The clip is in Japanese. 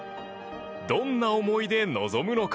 どんな思いで臨むのか？